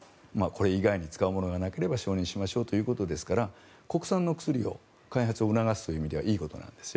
これ以外に使うものがなければ承認しましょうということですから国産の薬の開発を促すという意味ではいいことなんです。